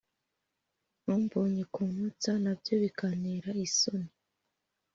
umbonye ukuntu nsa nabyo bikantera isoni